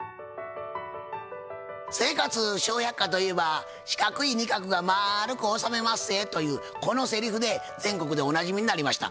「生活笑百科」といえば「四角い仁鶴がまるくおさめまっせ」というこのセリフで全国でおなじみになりました。